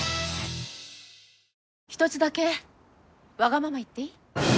一つだけわがまま言っていい？